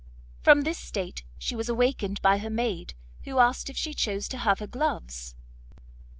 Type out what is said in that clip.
From this state she was awakened by her maid, who asked if she chose to have her gloves.